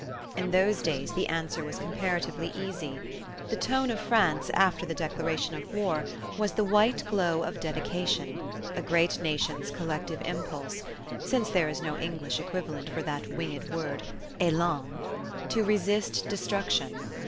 In those days the answer was comparatively easy. The tone of France after the declaration of war was the white glow of dedication: a great nation's collective impulse (since there is no English equivalent for that winged word, elan ) to resist destruction.